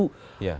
nah itu dia